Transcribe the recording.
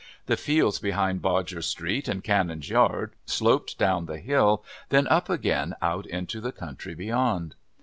The fields behind Bodger's Street and Canon's Yard sloped down the hill then up again out into the country beyond.